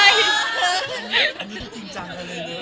อย่าง